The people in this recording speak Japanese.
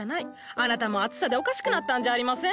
あなたも暑さでおかしくなったんじゃありません？